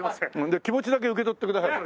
気持ちだけ受け取ってください。